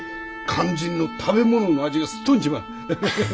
肝心の食べ物の味がすっとんじまうハハハハ。